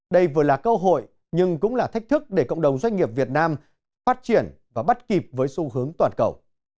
đây vừa là cơ hội nhưng cũng là thách thức để cộng đồng doanh nghiệp việt nam phát triển và bắt kịp với xu hướng toàn cầu